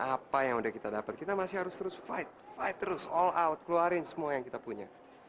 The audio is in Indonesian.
apa yang udah kita dapat kita masih harus terus fight terus all out keluarin semua yang kita punya